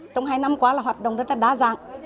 trong hai năm qua là hoạt động rất là đa dạng